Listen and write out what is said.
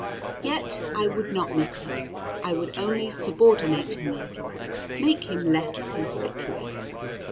Yet I would not miss him; I would only subordinate him a little, make him less conspicuous.